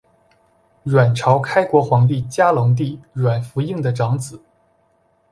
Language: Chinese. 阮朝开国皇帝嘉隆帝阮福映的长子。